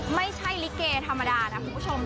ไม่ใช่ลิเกธรรมดานะคุณผู้ชม